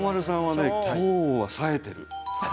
今日は、さえてる。